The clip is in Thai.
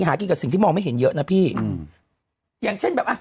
หากินกับสิ่งที่มองไม่เห็นเยอะนะพี่อืมอย่างเช่นแบบอ่ะ